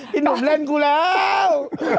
พี่หนุ่มเล่นกูแล้ว